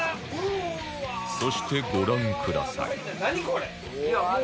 そしてご覧ください何？